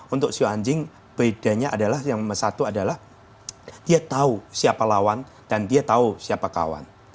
untuk si anjing bedanya adalah yang satu adalah dia tahu siapa lawan dan dia tahu siapa kawan